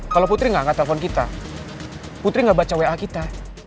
kalau putri gak angkat telfon kita putri gak baca wa kita